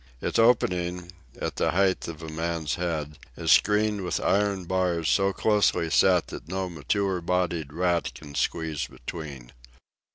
Its opening, at the height of a man's head, is screened with iron bars so closely set that no mature bodied rat can squeeze between.